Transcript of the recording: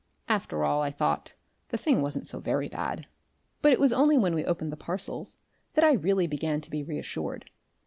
After all, I thought, the thing wasn't so very bad. But it was only when we opened the parcels that I really began to be reassured.